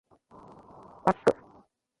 バック